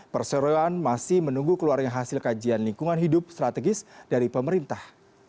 perseroan masih menunggu keluarnya hasil kajian lingkungan hidup strategis dari pemerintah